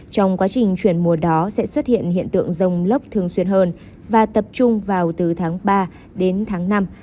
trong quá trình chuyển mùa đó sẽ xuất hiện hiện tượng rông lốc thường xuyên hơn và tập trung vào từ tháng ba đến tháng năm